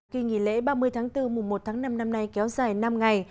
kỳ nghỉ lễ ba mươi tháng bốn mùa một tháng năm năm nay kéo dài năm ngày